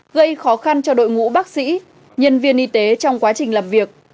gây khó khăn cho đội ngũ bác sĩ nhân viên y tế trong quá trình làm việc